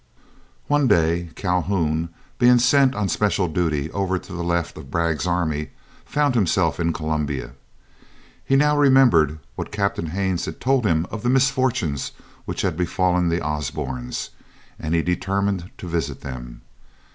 One day Calhoun, being sent on special duty over to the left of Bragg's army, found himself in Columbia. He now remembered what Captain Haines had told him of the misfortunes which had befallen the Osbornes, and he determined to visit them.